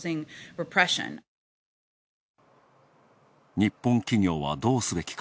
日本企業は、どうすべきか。